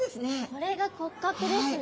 これが骨格ですね。